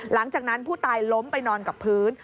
หลังจากนั้นผู้ตายล้มไปนอนกับพื้น